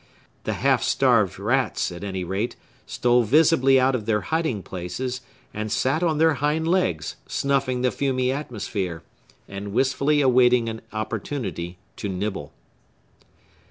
The half starved rats, at any rate, stole visibly out of their hiding places, and sat on their hind legs, snuffing the fumy atmosphere, and wistfully awaiting an opportunity to nibble.